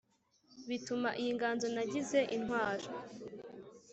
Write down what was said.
bituma iyi nganzo nagize intwaro